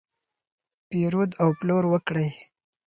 پیرود او پلور وکړئ.